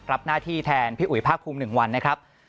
รับหน้าที่แทนพี่อุ๋ยภาคภูมิ๑วันนะครับ